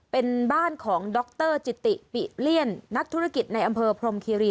เป็นบ้านของดรจิติปิเลี่ยนนักธุรกิจในอำเภอพรมคีรี